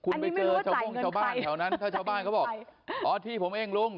คุณไปเจอชาวโม่งชาวบ้านแถวนั้นถ้าชาวบ้านเขาบอกอ๋อที่ผมเองลุง